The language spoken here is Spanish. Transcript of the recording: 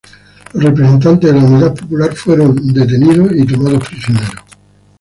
Los representantes de la Unidad Popular fueron detenidos y tomados prisioneros.